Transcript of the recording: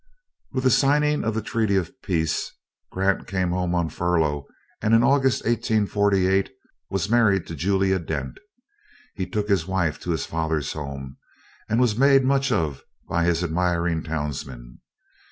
With the signing of the treaty of peace, Grant came home on furlough, and in August, 1848, was married to Julia Dent. He took his wife to his father's home, and was made much of by his admiring townsmen.